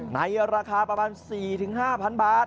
ในราคาประมาณ๔๕๐๐๐บาท